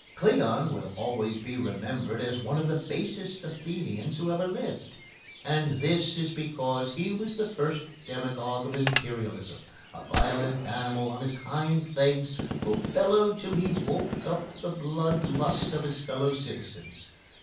Cleon will always be remembered as one of the basest Athenians who ever lived, and this is because he was the first demagogue of Imperialism a violent animal on his hind legs who bellowed till he woke up the blood lust of his fellow citizens.